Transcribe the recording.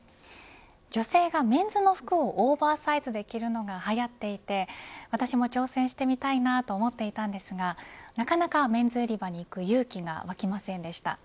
女性がメンズの服をオーバーサイズで着るのがはやっていて私も挑戦してみたいなと思っていたんですがなかなかメンズ売り場に行く勇気がわきませんでした。